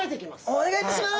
お願いします。